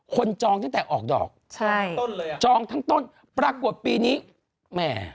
คนจองจากแต่ออกดอกจองทั้งต้นปรากฎปีนี้แหม่